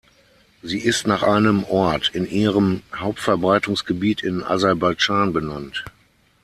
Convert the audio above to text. Sie ist nach einem Ort in ihrem Hauptverbreitungsgebiet in Aserbaidschan benannt.